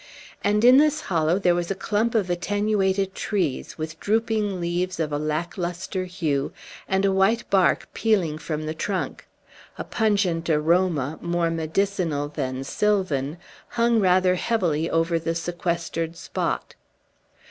And in this hollow was a clump of attenuated trees, with drooping leaves of a lacklustre hue, and a white bark peeling from the trunk; a pungent aroma, more medicinal than sylvan, hung rather heavily over the sequestered spot.